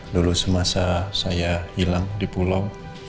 dulu semasa saya hilang di pulau